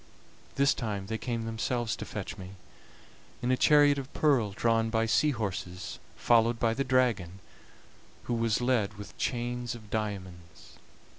This time they came themselves to fetch me, in a chariot of pearl drawn by sea horses, followed by the dragon, who was led with chains of diamonds.